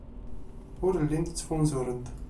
Ur llint ttfunzurent.